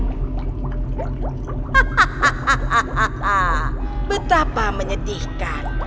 hahaha betapa menyedihkan